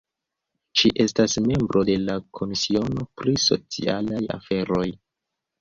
Ŝi estas membro de la komisiono pri socialaj aferoj.